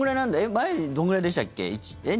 前、どんぐらいでしたっけ？